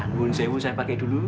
munsewu saya pakai dulu